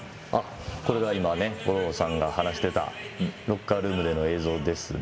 五郎丸さんが話してたロッカールームでの映像ですね。